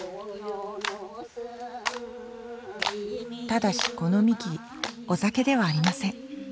ただしこのみきお酒ではありません。